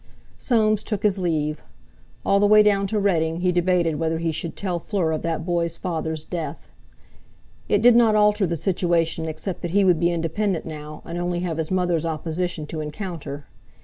Soames took his leave. All the way down to Reading he debated whether he should tell Fleur of that boy's father's death. It did not alter the situation except that he would be independent now, and only have his mother's opposition to encounter.